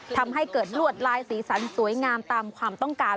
ทำให้เกิดลวดลายสีสันสวยงามตามความต้องการ